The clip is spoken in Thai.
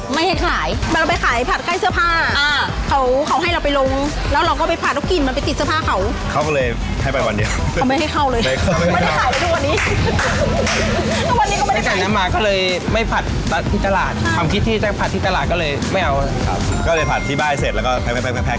ไม่งั้นสุขภาพเราแย่แน่